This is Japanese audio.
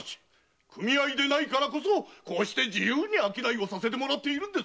組合でないからこそこうして自由に商いをさせてもらっているんです。